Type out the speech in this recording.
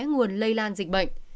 nguồn lây lan dịch bệnh